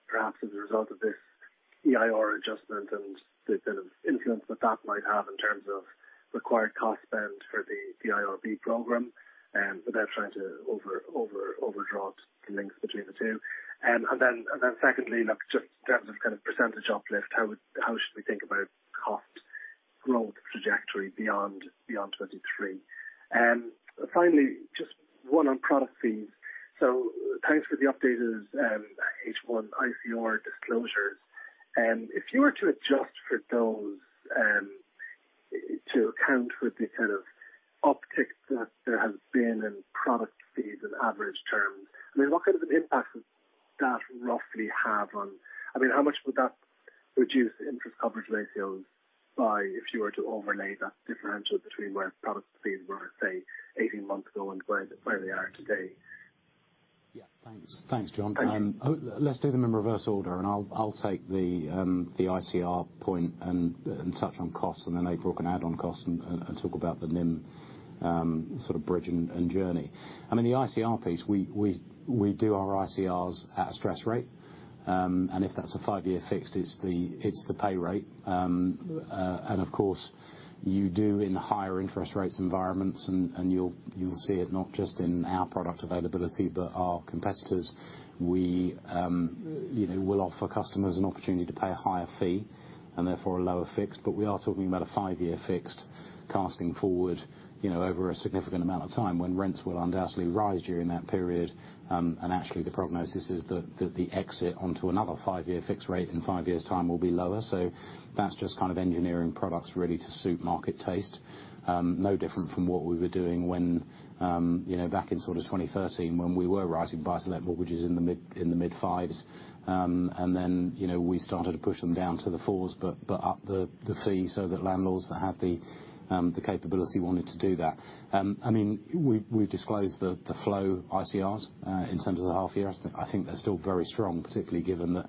perhaps as a result of this EIR adjustment and the kind of influence that that might have in terms of required cost spend for the IRB program, without trying to overdraw the links between the two? Then, and then secondly, look, just in terms of kind of percentage uplift, how should we think about cost growth trajectory beyond, beyond 2023? Finally, just one on product fees. Thanks for the updated H1 ICR disclosures. If you were to adjust for those to account with the kind of uptick that there has been in product fees and average terms, I mean, what kind of an impact does that roughly have on? I mean, how much would that reduce interest coverage ratios by, if you were to overlay that differential between where product fees were, say, 18 months ago and where, where they are today? Yeah. Thanks. Thanks, John. Thank you. Let's do them in reverse order, I'll take the ICR point and touch on costs, then April can add on costs and talk about the NIM bridge and journey. I mean, the ICR piece, we do our ICRs at a stress rate. If that's a five-year fixed, it's the pay rate. Of course, you do in higher interest rates environments, and you'll see it not just in our product availability, but our competitors. We, you know, will offer customers an opportunity to pay a higher fee, and therefore, a lower fixed. We are talking about a five-year fixed costing forward, you know, over a significant amount of time when rents will undoubtedly rise during that period. Actually, the prognosis is that, that the exit onto another five-year fixed rate in five years' time will be lower. That's just kind of engineering products really to suit market taste. No different from what we were doing when, you know, back in sort of 2013, when we were rising buy-to-let mortgages in the mid, in the mid-fives. Then, you know, we started to push them down to the fours, but, but up the, the fee so that landlords that had the capability wanted to do that. I mean, we, we've disclosed the, the flow ICRs in terms of the half year. I think they're still very strong, particularly given that,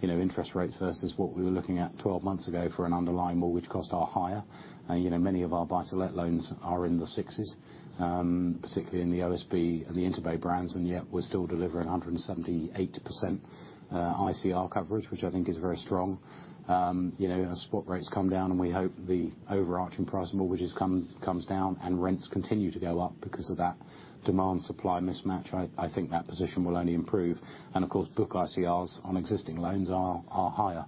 you know, interest rates versus what we were looking at 12 months ago for an underlying mortgage cost are higher. You know, many of our buy-to-let loans are in the sixes, particularly in the OSB and the InterBay brands, yet we're still delivering 178% ICR coverage, which I think is very strong. You know, as swap rates come down, and we hope the overarching price of mortgages comes down, and rents continue to go up because of that demand, supply mismatch, I think that position will only improve. Of course, book ICRs on existing loans are higher,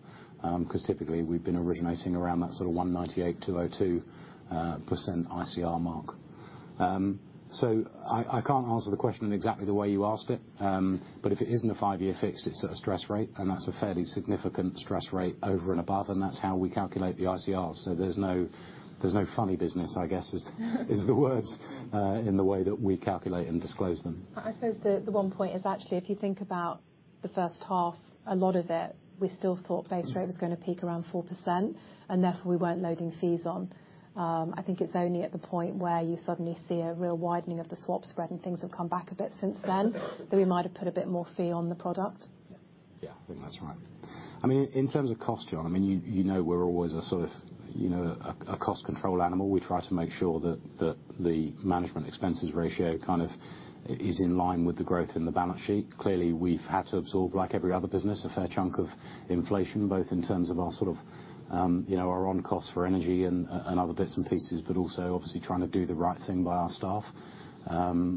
because typically we've been originating around that sort of 198%-202% ICR mark. I can't answer the question in exactly the way you asked it. If it isn't a five-year fixed, it's at a stress rate, and that's a fairly significant stress rate over and above, and that's how we calculate the ICR. There's no, there's no funny business, I guess, is, is the words in the way that we calculate and disclose them. I suppose the, the one point is actually, if you think about the first half, a lot of it, we still thought base rate was gonna peak around 4%, and therefore, we weren't loading fees on. I think it's only at the point where you suddenly see a real widening of the swap spread, and things have come back a bit since then, that we might have put a bit more fee on the product. Yeah, I think that's right. I mean, in terms of cost, John, I mean, you, you know, we're always a sort of, you know, a, a cost control animal. We try to make sure that, that the management expense ratio is in line with the growth in the balance sheet. Clearly, we've had to absorb, like every other business, a fair chunk of inflation, both in terms of our sort of, you know, our own costs for energy and other bits and pieces. Also, obviously, trying to do the right thing by our staff,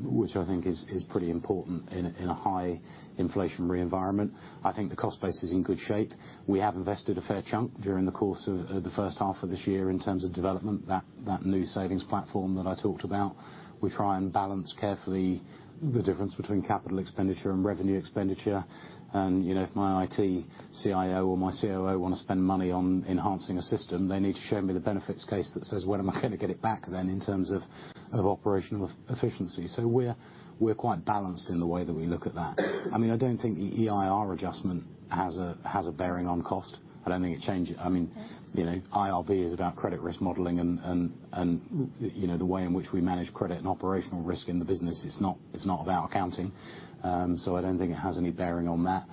which I think is, is pretty important in a, in a high inflationary environment. I think the cost base is in good shape. We have invested a fair chunk during the course of the first half of this year in terms of development, that, that new savings platform that I talked about. We try and balance carefully the difference between capital expenditure and revenue expenditure. You know, if my IT, CIO, or my COO wanna spend money on enhancing a system, they need to show me the benefits case that says, "When am I gonna get it back then in terms of, of operational efficiency?" We're, we're quite balanced in the way that we look at that. I mean, I don't think the EIR adjustment has a, has a bearing on cost. I don't think it changes. I mean... Yeah. You know, IRB is about credit risk modeling, and, and, and, you know, the way in which we manage credit and operational risk in the business, it's not, it's not about accounting. I don't think it has any bearing on that.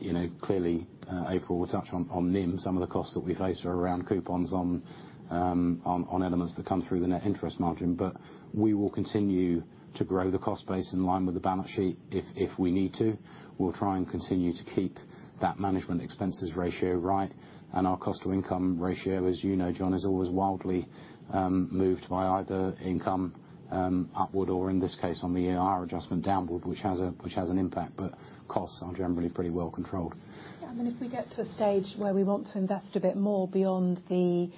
You know, clearly, April will touch on, on NIM. Some of the costs that we face are around coupons on, on elements that come through the net interest margin. We will continue to grow the cost base in line with the balance sheet if, if we need to. We'll try and continue to keep that management expense ratio right, and our cost to income ratio, as you know, John, is always wildly, moved by either income, upward or in this case, on the EIR adjustment downward, which has a, which has an impact, but costs are generally pretty well controlled. If we get to a stage where we want to invest a bit more beyond the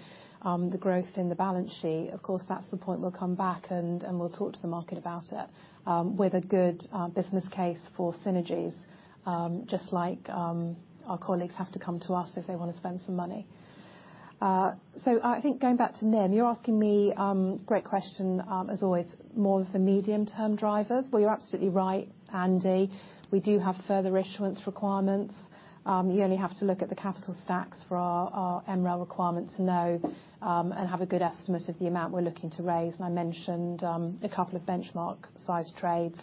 growth in the balance sheet, of course, that's the point we'll come back, and we'll talk to the market about it, with a good business case for synergies, just like our colleagues have to come to us if they want to spend some money. I think going back to NIM, you're asking me, great question, as always, more of the medium-term drivers. You're absolutely right, Andy. We do have further issuance requirements. You only have to look at the capital stacks for our MREL requirement to know and have a good estimate of the amount we're looking to raise. I mentioned a couple of benchmark-sized trades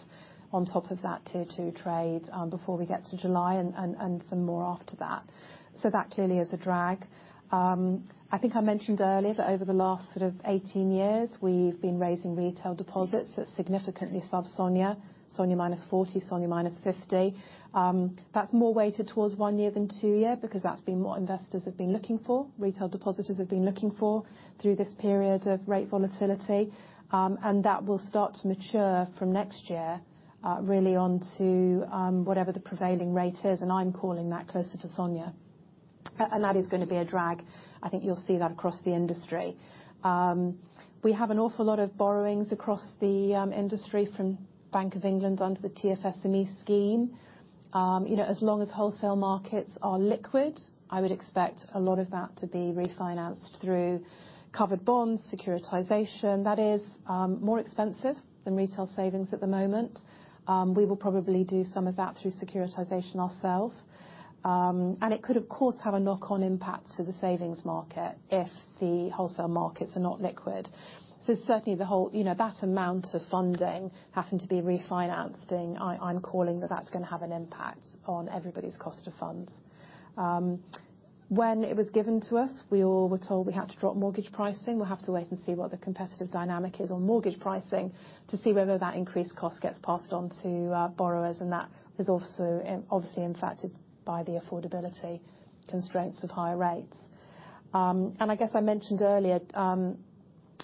on top of that tier two trade before we get to July and some more after that. That clearly is a drag. I think I mentioned earlier that over the last sort of 18 years, we've been raising retail deposits at significantly sub-SONIA, SONIA -40, SONIA -50. That's more weighted towards one year than two year, because that's been what investors have been looking for, retail depositors have been looking for, through this period of rate volatility. That will start to mature from next year, really onto whatever the prevailing rate is, and I'm calling that closer to SONIA. That is gonna be a drag. I think you'll see that across the industry. We have an awful lot of borrowings across the industry from Bank of England under the TFSME scheme. You know, as long as wholesale markets are liquid, I would expect a lot of that to be refinanced through covered bonds, securitization, that is, more expensive than retail savings at the moment. We will probably do some of that through securitization ourself. It could, of course, have a knock-on impact to the savings market if the wholesale markets are not liquid. Certainly the whole, you know, that amount of funding happened to be refinancing, I, I'm calling that that's gonna have an impact on everybody's cost of funds. When it was given to us, we all were told we had to drop mortgage pricing. We'll have to wait and see what the competitive dynamic is on mortgage pricing, to see whether that increased cost gets passed on to borrowers, and that is also, obviously impacted by the affordability constraints of higher rates. I guess I mentioned earlier,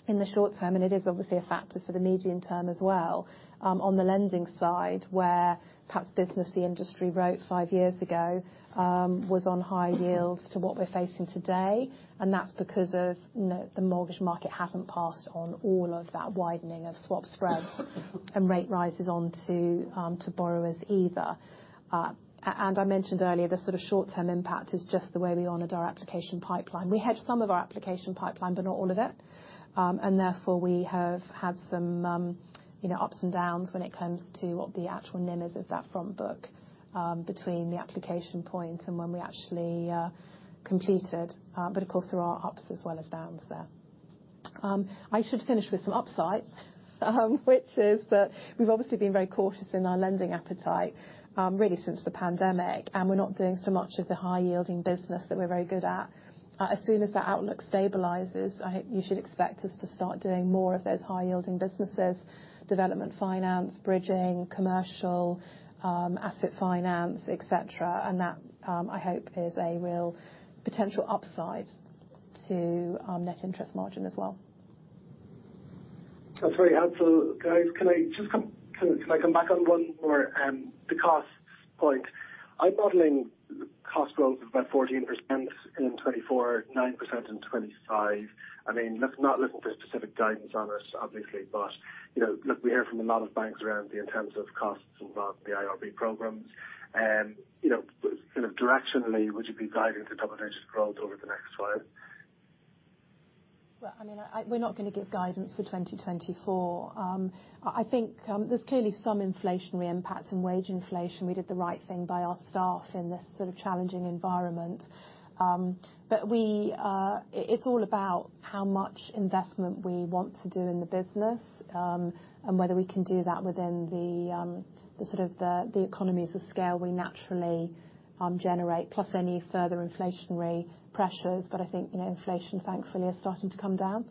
in the short term, and it is obviously a factor for the medium term as well, on the lending side, where perhaps business the industry wrote five years ago, was on higher yields to what we're facing today. That's because of, you know, the mortgage market hasn't passed on all of that widening of swap spreads and rate rises on to borrowers either. I mentioned earlier, the sort of short term impact is just the way we honored our application pipeline. We hedged some of our application pipeline, but not all of it. Therefore, we have had some, you know, ups and downs when it comes to what the actual NIM is of that front book, between the application point and when we actually completed. Of course, there are ups as well as downs there. I should finish with some upsides, which is that we've obviously been very cautious in our lending appetite, really since the pandemic, and we're not doing so much of the high yielding business that we're very good at. As soon as that outlook stabilizes, I hope you should expect us to start doing more of those high yielding businesses, development, finance, bridging, commercial, asset finance, et cetera. That, I hope is a real potential upside to our net interest margin as well. That's very helpful, guys. Can I come back on one more? The cost point. I'm modeling cost growth of about 14% in 2024, 9% in 2025. I mean, look, not looking for specific guidance on this, obviously, but, you know, look, we hear from a lot of banks around the intense of costs involved, the IRB programs. You know, kind of directionally, would you be guiding to double-digit growth over the next five? Well, I mean, I, we're not going to give guidance for 2024. I think there's clearly some inflationary impacts and wage inflation. We did the right thing by our staff in this sort of challenging environment. We, it-it's all about how much investment we want to do in the business, and whether we can do that within the, the sort of the, the economies of scale we naturally generate, plus any further inflationary pressures. I think, you know, inflation, thankfully, is starting to come down.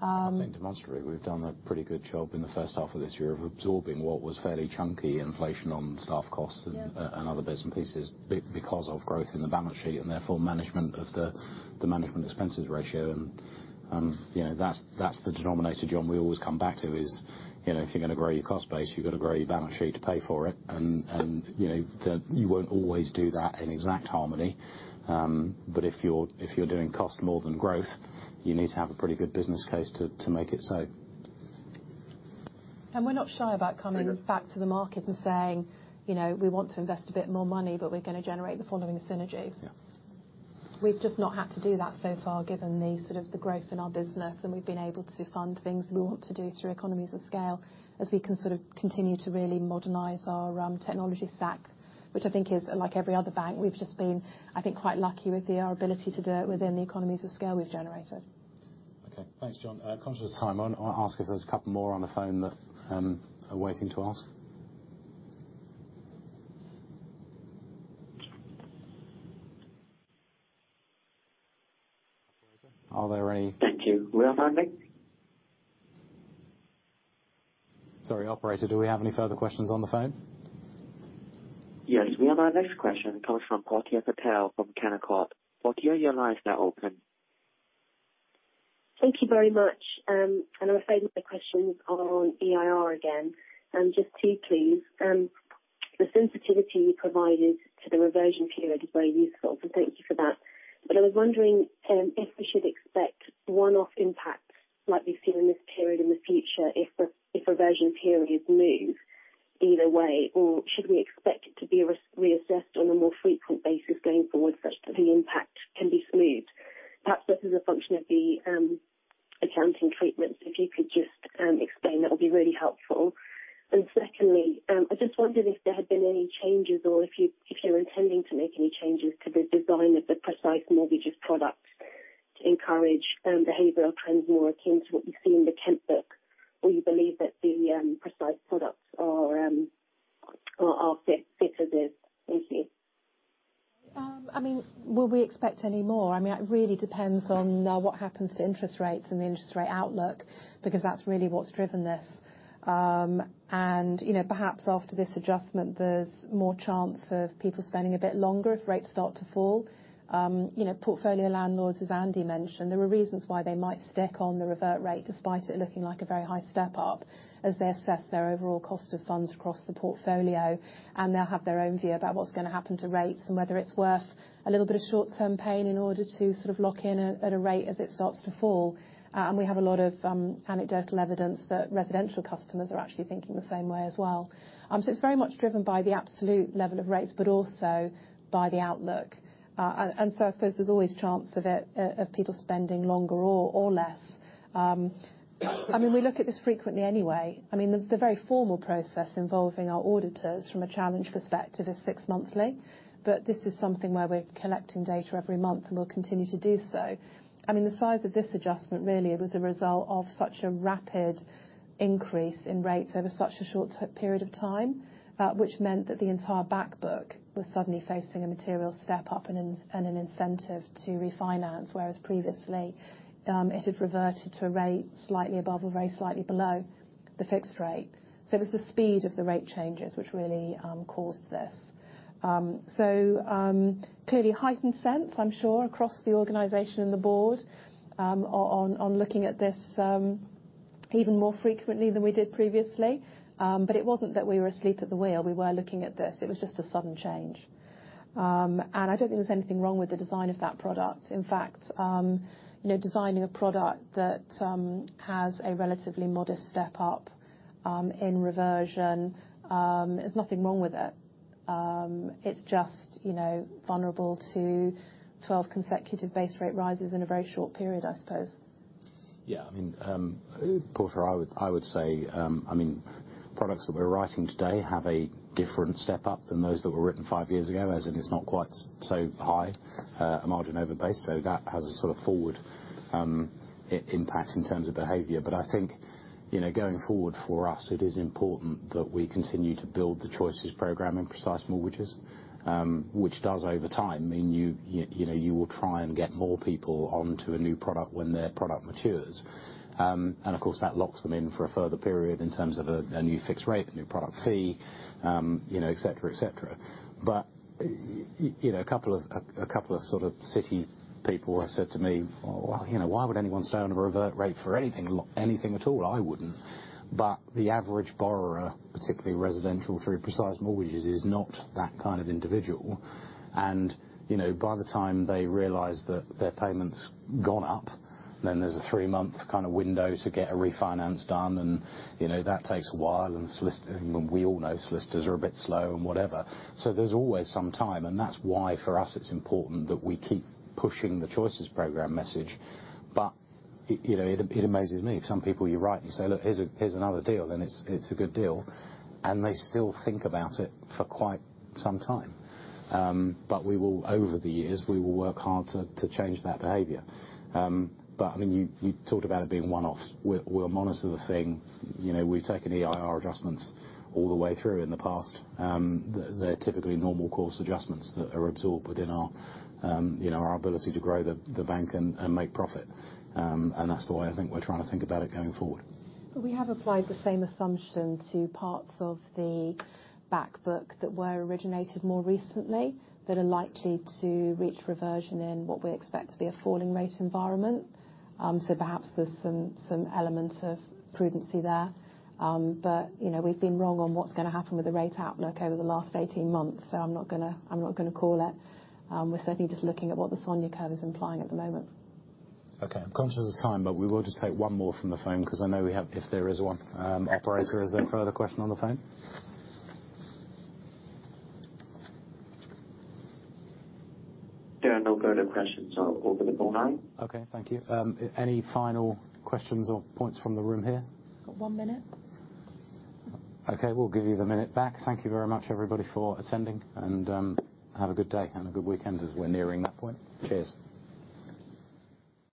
I think demonstrably, we've done a pretty good job in the first half of this year of absorbing what was fairly chunky inflation on staff costs. Yeah. Other bits and pieces, because of growth in the balance sheet and therefore, management of the, the management expense ratio. You know, that's, that's the denominator, John, we always come back to is, you know, if you're going to grow your cost base, you've got to grow your balance sheet to pay for it. You know, the... You won't always do that in exact harmony. If you're, if you're doing cost more than growth, you need to have a pretty good business case to, to make it so. We're not shy about coming back to the market and saying, you know, "We want to invest a bit more money, but we're going to generate the following synergies. Yeah. We've just not had to do that so far, given the sort of the growth in our business, and we've been able to fund things we want to do through economies of scale, as we can sort of continue to really modernize our, technology stack. Which I think is like every other bank, we've just been, I think, quite lucky with the, our ability to do it within the economies of scale we've generated. Okay, thanks, John. Conscious of time, I want to ask if there's a couple more on the phone that are waiting to ask. Are there any? Thank you. We are finding. Sorry, operator, do we have any further questions on the phone? Yes, we have our next question comes from Portia Patel from Canaccord. Portia, you're live now. Open. Thank you very much. I'm afraid my question is on EIR again, and just two, please. The sensitivity you provided to the reversion period is very useful, so thank you for that. I was wondering, if we should expect one-off impacts like we've seen in this period in the future, if the, if reversion period is moved either way? Should we expect it to be re-reassessed on a more frequent basis going forward, such that the impact can be smoothed? Perhaps this is a function of the accounting treatment. If you could just explain, that would be really helpful. Secondly, I just wondered if there had been any changes or if you, if you're intending to make any changes to the design of the Precise Mortgages product to encourage behavioral trends more akin to what we see in the Kent book? Or you believe that the Precise products are, are, are fit, fit as is? Thank you. I mean, will we expect any more? I mean, it really depends on what happens to interest rates and the interest rate outlook, because that's really what's driven this. You know, perhaps after this adjustment, there's more chance of people spending a bit longer if rates start to fall. You know, portfolio landlords, as Andy mentioned, there are reasons why they might stick on the revert rate, despite it looking like a very high step up, as they assess their overall cost of funds across the portfolio. They'll have their own view about what's going to happen to rates and whether it's worth a little bit of short-term pain in order to sort of lock in at, at a rate as it starts to fall. We have a lot of anecdotal evidence that residential customers are actually thinking the same way as well. It's very much driven by the absolute level of rates, but also by the outlook. I suppose there's always chance of it, of people spending longer or less. I mean, we look at this frequently anyway. I mean, the very formal process involving our auditors from a challenge perspective is six monthly, but this is something where we're collecting data every month, and we'll continue to do so. I mean, the size of this adjustment really was a result of such a rapid increase in rates over such a short period of time, which meant that the entire back book was suddenly facing a material step up and an, and an incentive to refinance, whereas previously, it had reverted to a rate slightly above or very slightly below the fixed rate. It was the speed of the rate changes which really caused this. Clearly heightened sense, I'm sure, across the organization and the board, on, on looking at this even more frequently than we did previously. It wasn't that we were asleep at the wheel. We were looking at this. It was just a sudden change. I don't think there's anything wrong with the design of that product. In fact, you know, designing a product that has a relatively modest step up, in reversion, there's nothing wrong with it. It's just, you know, vulnerable to 12 consecutive base rate rises in a very short period, I suppose. Yeah. I mean, Portia, I would, I would say, I mean, products that we're writing today have a different step up than those that were written five years ago, as in, it's not quite so high, a margin over base, that has a sort of forward impact in terms of behavior. I think, you know, going forward, for us, it is important that we continue to build the choices program in Precise Mortgages, which does over time mean you know, you will try and get more people onto a new product when their product matures. Of course, that locks them in for a further period in terms of a new fixed rate, a new product fee, you know, et cetera, et cetera. You know, a couple of, a couple of sort of city people have said to me, "Well, you know, why would anyone stay on a revert rate for anything, anything at all? I wouldn't." The average borrower, particularly residential through Precise Mortgages, is not that kind of individual. You know, by the time they realize that their payment's gone up, then there's a three-month kind of window to get a refinance done, and, you know, that takes a while, and We all know solicitors are a bit slow and whatever, so there's always some time. That's why, for us, it's important that we keep pushing the choices program message. It, you know, it, it amazes me. Some people, you write, and you say, "Look, here's a, here's another deal, and it's, it's a good deal," and they still think about it for quite some time. We will over the years, we will work hard to change that behavior. I mean, you, you talked about it being one-offs. We'll, we'll monitor the thing. You know, we've taken EIR adjustments all the way through in the past. They're typically normal course adjustments that are absorbed within our, you know, our ability to grow the bank and make profit. That's the way I think we're trying to think about it going forward. We have applied the same assumption to parts of the back book that were originated more recently, that are likely to reach reversion in what we expect to be a falling rate environment. Perhaps there's some, some elements of prudency there. You know, we've been wrong on what's going to happen with the rate outlook over the last 18 months, so I'm not gonna, I'm not gonna call it. We're certainly just looking at what the SONIA curve is implying at the moment. Okay. I'm conscious of time, we will just take one more from the phone, because I know we have... If there is one. Operator, is there a further question on the phone? There are no further questions over the phone line. Okay. Thank you. Any final questions or points from the room here? Got one minute. Okay, we'll give you the minute back. Thank you very much, everybody, for attending, and have a good day and a good weekend, as we're nearing that point. Cheers!